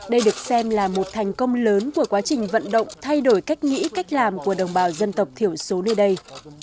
đây được xem là một thành công lớn của quá trình vận động thay đổi cách nghĩ cách làm của đồng bào dân tộc thiểu số nơi đây